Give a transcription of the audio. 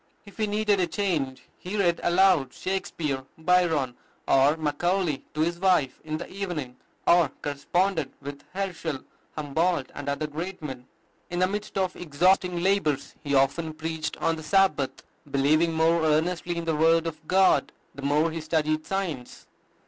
If he needed a change, he read aloud Shakspeare, Byron, or Macaulay to his wife in the evening, or corresponded with Herschel, Humboldt, and other great men. In the midst of exhausting labors he often preached on the Sabbath, believing more earnestly in the word of God the more he studied science.